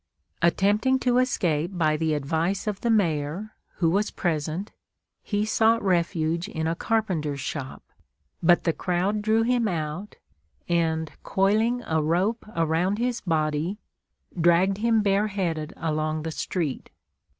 Attempting to escape by the advice of the Mayor, who was present, he sought refuge in a carpenter's shop, but the crowd drew him out, and coiling a rope around his body, dragged him bareheaded along the street.